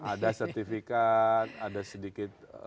ada sertifikat ada sedikit